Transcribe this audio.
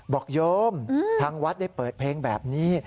โยมทางวัดได้เปิดเพลงแบบนี้